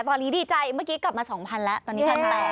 ตอนนี้ดีใจเมื่อกี้กลับมา๒๐๐แล้วตอนนี้๑๘๐๐